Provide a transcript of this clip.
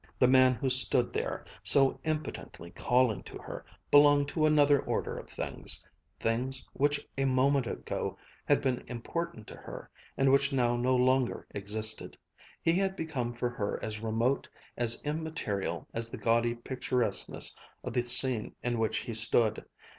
The man who stood there, so impotently calling to her, belonged to another order of things things which a moment ago had been important to her, and which now no longer existed. He had become for her as remote, as immaterial as the gaudy picturesqueness of the scene in which he stood.